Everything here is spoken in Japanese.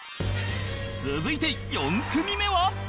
続いて４組目は